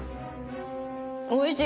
おいしい？